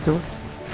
aku mau mandi